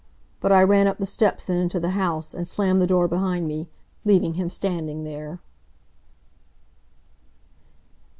But I ran up the steps and into the house and slammed the door behind me, leaving him standing there.